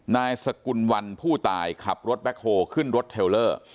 นายสกุลวันผู้ตายขับรถแบ็คโฮขึ้นรถเทลเลอร์